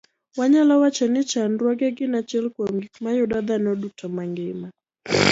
Wanyalo wacho ni chandruoge gin achiel kuom gik ma yudo dhano duto mangima